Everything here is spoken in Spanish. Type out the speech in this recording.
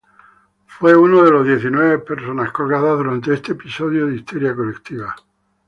Fue una de las diecinueve personas colgadas durante este episodio de histeria colectiva.